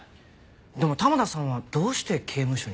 でも玉田さんはどうして刑務所に？